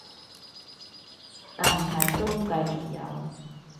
但係都繼續有